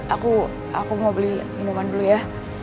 aku aku mau beli minuman dulu ya